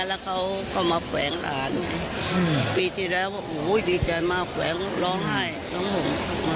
แล้วเขาก็มาแขวงหลานปีที่แล้วดีใจมากแขวงร้องไห้ร้องห่ม